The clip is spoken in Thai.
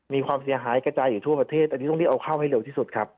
มีความเสียหายกระจายอยู่ทั่วประเทศอันนี้ต้องรีบเอาเข้าให้เร็วที่สุดครับ